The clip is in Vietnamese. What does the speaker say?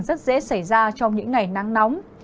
rất dễ xảy ra trong những ngày nắng nóng